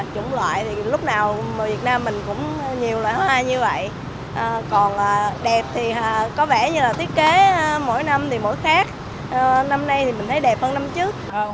có vẻ như là thiết kế mỗi năm thì mỗi khác năm nay thì mình thấy đẹp hơn năm trước